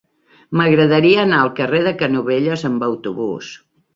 M'agradaria anar al carrer de Canovelles amb autobús.